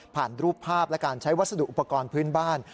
รูปภาพและการใช้วัสดุอุปกรณ์พื้นบ้าน